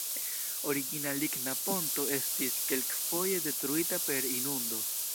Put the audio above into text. Origina ligna ponto estis kelkfoje detruita per inundo.